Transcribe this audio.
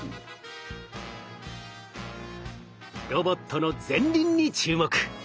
ロボットの前輪に注目。